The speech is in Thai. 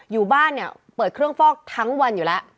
อยู่บ้านเนี่ยเปิดเครื่องฟอกทั้งวันอยู่แล้ว